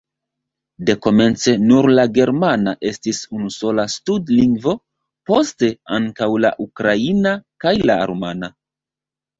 Dekomence nur la germana estis unusola stud-lingvo, poste ankaŭ la ukraina kaj la rumana.